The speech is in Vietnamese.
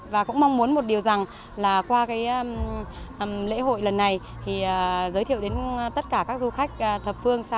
và cũng mong muốn một điều rằng là qua lễ hội lần này giới thiệu đến tất cả các du khách thập phương xa gần